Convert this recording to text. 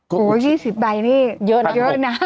โห๒๐ใบนี่เยอะนะ